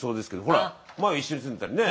ほら前は一緒に住んでたりね。